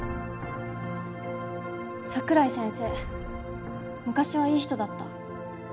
桜井先生昔はいい人だった。